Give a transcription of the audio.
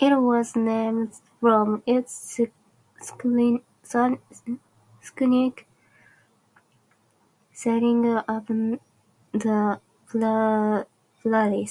It was named from its scenic setting upon the prairie.